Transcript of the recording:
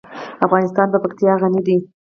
افغانستان په پکتیکا غني دی.